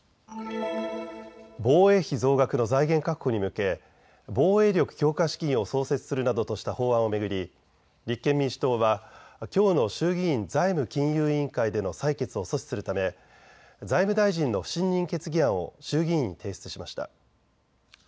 防衛費増額の財源確保に向け防衛力強化資金を創設するなどとした法案を巡り立憲民主党はきょうの衆議院財務金融委員会での採決を阻止するため財務大臣の不信任決議案を衆議院に提出しました。